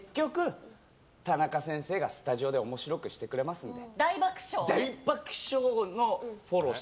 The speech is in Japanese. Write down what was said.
こんな感じですけども結局、田中先生がスタジオで面白くしてくれますので。